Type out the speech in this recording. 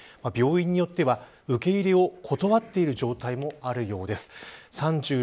病院によっては受け入れを断っている状態もあるようです。